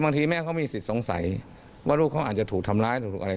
บางทีแม่เขามีสิทธิสงสัยว่ารูปเขาอาจจะถูกทำร้ายถูกอะไร